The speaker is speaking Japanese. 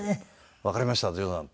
「わかりました譲二さん」。